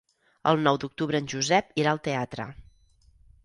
El nou d'octubre en Josep irà al teatre.